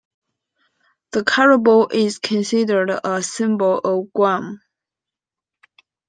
The carabao is considered a symbol of Guam.